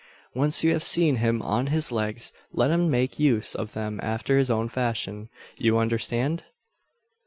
Once you have seen him on his legs, let him make use of them after his own fashion. You understand?"